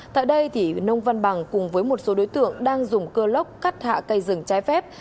tại đây nông văn bằng cùng với một số đối tượng đang dùng cơ lốc cắt hạ cây rừng trái phép